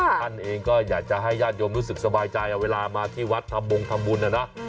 ท่านเองก็อยากจะให้ญาติโยมรู้สึกสบายใจเอาเวลามาที่วัดทำบงทำบุญนะนะ